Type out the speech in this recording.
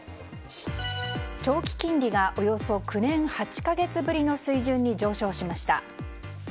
長期金利がおよそ９年８か月ぶりの水準に上昇しました。